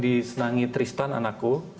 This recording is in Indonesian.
disenangi tristan anakku